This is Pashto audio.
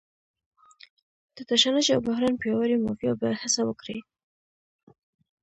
د تشنج او بحران پیاوړې مافیا به هڅه وکړي.